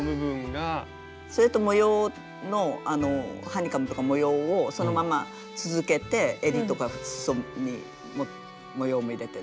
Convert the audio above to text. それと模様のハニカムとか模様をそのまま続けてえりとかすそに模様も入れて。